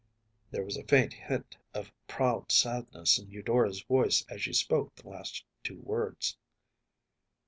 ‚ÄĚ There was a faint hint of proud sadness in Eudora’s voice as she spoke the last two words.